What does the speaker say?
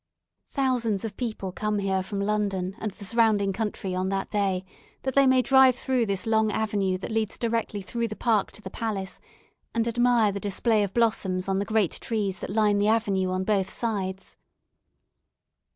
Thousands of people come here from London and the surrounding country on that day, that they may drive through this long avenue that leads directly through the park to the palace and admire the display of blossoms on the great trees that line the avenue on both sides.